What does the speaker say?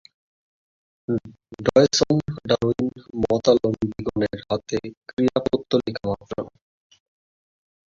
ডয়সন ডারুইন-মতাবলম্বিগণের হাতে ক্রীড়াপুত্তলিকা মাত্র।